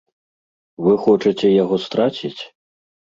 Вы хочаце яго страціць?